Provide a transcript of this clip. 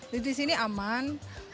jadi di sini aman